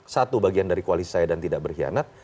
satu bagian dari koalisi saya dan tidak berkhianat